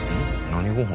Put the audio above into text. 何ご飯？